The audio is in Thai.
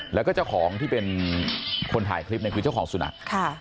แล้วก็เจ้าของที่เป็นคนถ่ายคลิปเนี่ยคือเจ้าของสุนัขค่ะ